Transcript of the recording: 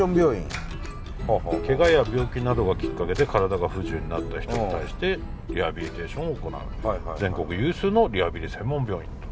ケガや病気などがきっかけで身体が不自由になった人に対してリハビリテーションを行う全国有数のリハビリ専門病院。